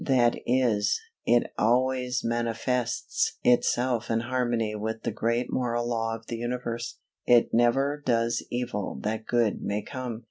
That is, it always manifests itself in harmony with the great moral law of the universe it never does evil that good may come!